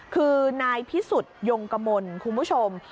คือนายพิสุทธิ์ยงกมลคุณผู้ชม